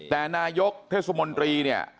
แต่นายกเทศมนตรีเนี่ย